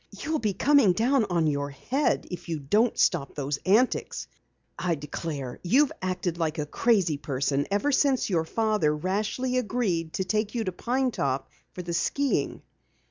"You'll be coming down on your head if you don't stop those antics. I declare, you've acted like a crazy person ever since your father rashly agreed to take you to Pine Top for the skiing."